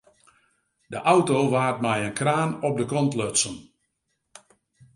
De auto waard mei in kraan op de kant lutsen.